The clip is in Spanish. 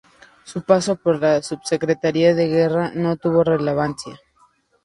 Su paso por la Subsecretaría de Guerra no tuvo relevancia.